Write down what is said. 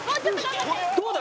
どうだ？